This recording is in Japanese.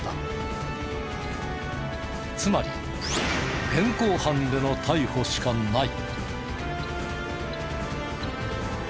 つまり現行犯での逮捕しかない。